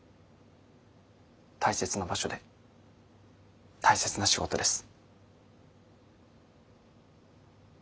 大切な場所で大切な仕事です。